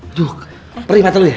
aduh perih mata lo ya